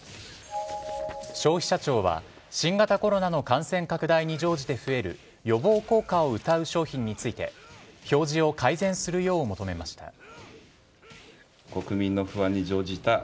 消費者庁は新型コロナの感染拡大に乗じて増える予防効果をうたう商品について表示を改善するよう求めました。